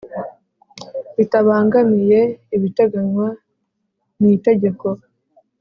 Bitabangamiye ibiteganywa mu itegeko